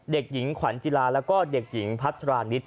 เด็กหญิงขวัญจิลาแล้วก็เด็กหญิงพัทรานิด